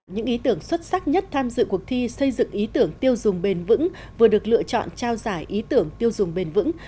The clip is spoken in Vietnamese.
những ý tưởng xuất sắc nhất tham dự cuộc thi xây dựng ý tưởng tiêu dùng bền vững vừa được lựa chọn trao giải ý tưởng tiêu dùng bền vững